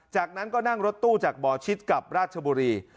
จากนั้นก็นั่งรถตู้จากบ่อชิดกับราชบุรี